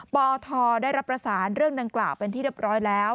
ปทได้รับประสานเรื่องดังกล่าวเป็นที่เรียบร้อยแล้ว